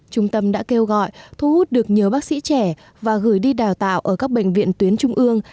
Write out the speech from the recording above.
trung tâm đã kêu gọi thu hút được nhiều bác sĩ trẻ và gửi đi đào tạo ở các bệnh viện tuyến trung ương